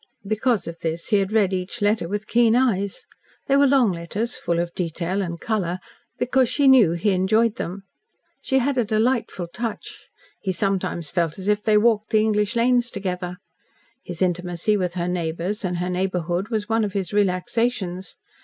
Because of this, he had read each letter with keen eyes. They were long letters, full of detail and colour, because she knew he enjoyed them. She had a delightful touch. He sometimes felt as if they walked the English lanes together. His intimacy with her neighbours, and her neighbourhood, was one of his relaxations.